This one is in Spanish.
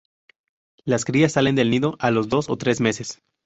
Las crías salen del nido a los dos o tres meses.